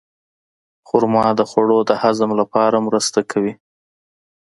خرما د خوړو د هضم لپاره مرسته کوي.